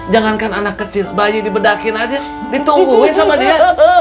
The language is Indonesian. jangankan anak kecil bayi dibedakin aja ditungguin sama dia